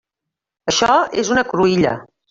Això és una cruïlla.